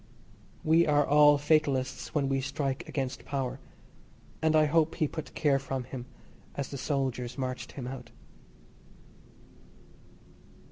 We are all fatalists when we strike against power, and I hope he put care from him as the soldiers marched him out.